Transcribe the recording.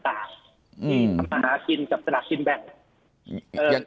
ที่มากินกับตลาดกินแบ่ง